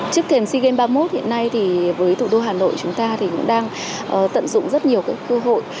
trước thềm sea games ba mươi một hiện nay thì với thủ đô hà nội chúng ta thì cũng đang tận dụng rất nhiều các cơ hội